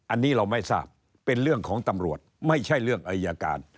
อันนี้เราไม่ทราบเป็นเรื่องของตำรวจไม่ใช่เรื่องอายการ